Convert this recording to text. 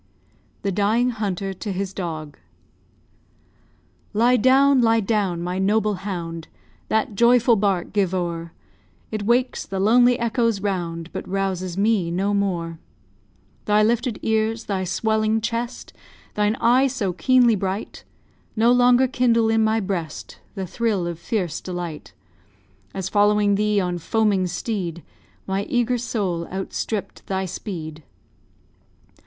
THE DYING HUNTER TO HIS DOG Lie down, lie down, my noble hound! That joyful bark give o'er; It wakes the lonely echoes round, But rouses me no more. Thy lifted ears, thy swelling chest, Thine eye so keenly bright, No longer kindle in my breast The thrill of fierce delight; As following thee, on foaming steed, My eager soul outstripp'd thy speed.